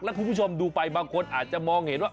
แล้วคุณผู้ชมดูไปบางคนอาจจะมองเห็นว่า